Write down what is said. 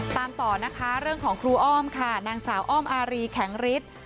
ตามต่อนะคะเรื่องของครูอ้อมค่ะนางสาวอ้อมอารีแข็งฤทธิ์